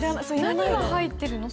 何が入ってるの？